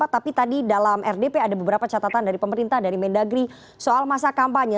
tapi tadi dalam rdp ada beberapa catatan dari pemerintah dari mendagri soal masa kampanye